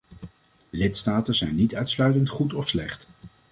Lidstaten zijn niet uitsluitend goed of slecht.